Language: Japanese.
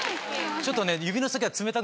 ちょっとね。